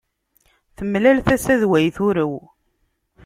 Temlal tasa d wayen i turew.